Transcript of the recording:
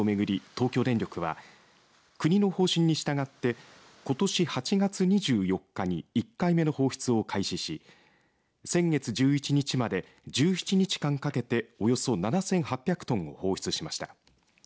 東京電力は国の方針に従ってことし８月２４日に１回目の放出を開始し先月１１日まで１７日間かけておよそ７８００トンを放出しました。